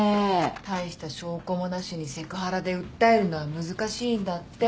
大した証拠もなしにセクハラで訴えるのは難しいんだって。